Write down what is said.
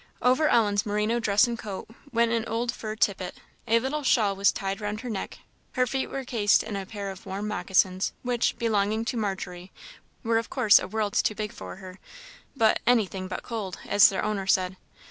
Over Ellen's merino dress and coat went an old fur tippet; a little shawl was tied round her neck; her feet were cased in a pair of warm moccassins, which, belonging to Margery, were of course a world too big for her, but "anything but cold," as their owner said.